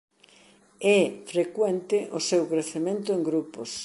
É frecuente o seu crecemento en grupos.